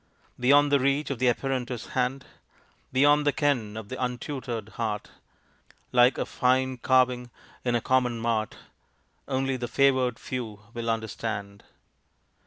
Beyond the reach of the apprentice hand, Beyond the ken of the untutored heart, Like a fine carving in a common mart, Only the favored few will understand.